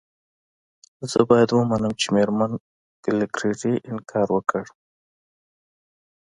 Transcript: زه باید ومنم چې میرمن کلیګرتي انکار وکړ